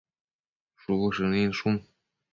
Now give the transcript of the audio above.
shubu shëninshun